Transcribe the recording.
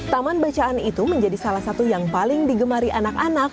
taman bacaan itu menjadi salah satu yang paling digemari anak anak